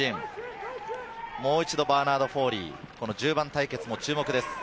もう一度、バーナード・フォーリー、１０番対決も注目です。